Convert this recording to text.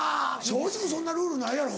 松竹そんなルールないやろ？